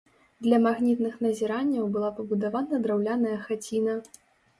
Для магнітных назіранняў была пабудавана драўляная хаціна.